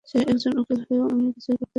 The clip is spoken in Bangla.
একজন উকিল হয়েও আমি কিছুই করতে পারিনি।